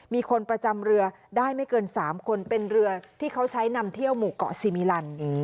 มีคนประจำเรือได้ไม่เกิน๓คนเป็นเรือที่เขาใช้นำเที่ยวหมู่เกาะซีมิลัน